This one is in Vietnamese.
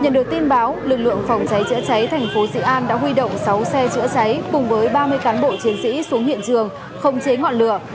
nhận được tin báo lực lượng phòng cháy chữa cháy thành phố sĩ an đã huy động sáu xe chữa cháy cùng với ba mươi cán bộ chiến sĩ xuống hiện trường không chế ngọn lửa